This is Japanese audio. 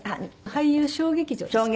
俳優小劇場です。